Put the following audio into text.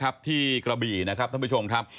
อย่างที่นี่นะครับที่กรบีครับท่านผู้ชมครับ